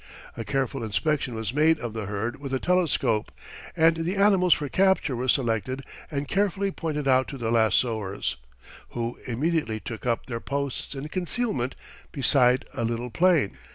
A careful inspection was made of the herd with a telescope, and the animals for capture were selected and carefully pointed out to the lassoers, who immediately took up their posts in concealment beside a little plain.